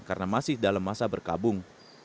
karena masih dalam masa berkabung